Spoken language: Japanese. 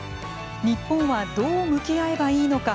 日本はどう向き合えばいいのか。